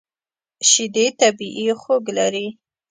شیدې طبیعي خوږ لري.